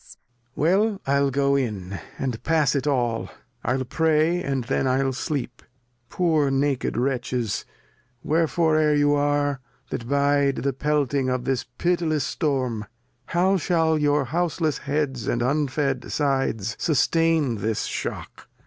Well, I'll go in And pass it all, I'll pray, and then I'll sleep : ["Poor naked Wretches, wheresoe're you are, ,_^^ Ji That 'bide the pelting of this pittiless Storm, T^ <P°^ ^^^^ your houseless Heads and unfed Sides^ M'"' ^^^^ eustain this Shock